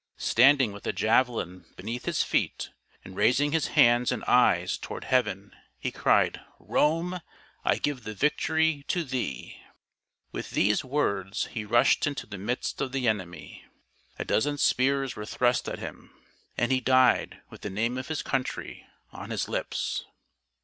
Standing with a javelin beneath his feet, and raising his hands and eyes toward heaven, he cried, " Rome ! I give the victory to thee !" With these words he rushed into the midst of the enemy. A dozen spears were thrust at him, and he died with the name of his country on his lips.